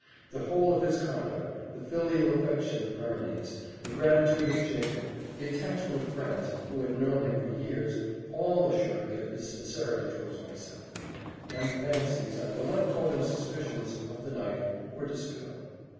The whole of his conduct the filial affection of Berenice the gratitude of Jacob the attachment of friends, who had known him for years, all assured me of his sincerity towards myself; and the fancies, I will not call them suspicions, of the night, were dispelled.